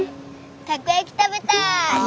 たこ焼き食べたい。